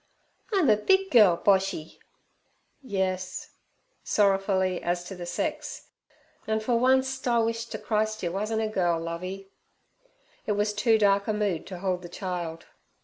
'I'm a big girl, Boshy.' 'Yes' sorrowfully as to the sex; 'an' fer oncet I wish ter Christ yer wuzn't a girl, Lovey.' It was too dark a mood to hold the child.